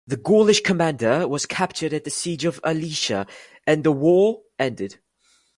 The Gaulish commander was captured at the siege of Alesia and the war ended.